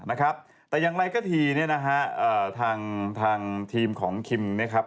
นะครับแต่อย่างไรก็ทีเนี่ยนะฮะเอ่อทางทางทีมของคิมเนี่ยครับ